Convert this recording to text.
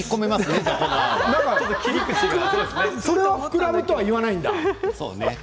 それは膨らむとは言わないんだ。